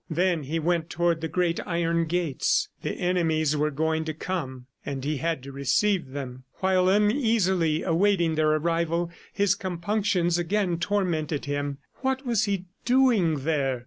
Then he went toward the great iron gates. The enemies were going to come, and he had to receive them. While uneasily awaiting their arrival his compunctions again tormented him. What was he doing there?